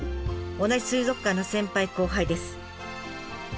同じ水族館の先輩後輩です。